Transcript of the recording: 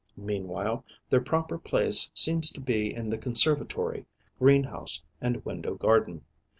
Meanwhile, their proper place seems to be in the conservatory, greenhouse and window garden.